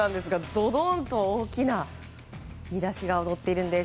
ドドンと大きな見出しが躍っています。